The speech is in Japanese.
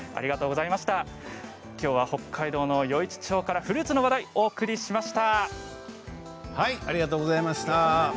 きょうは北海道の余市町からフルーツの話題をお送りしました。